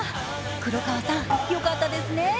黒川さん、よかったですね。